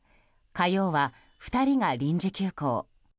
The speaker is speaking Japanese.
火曜は２人が臨時休校。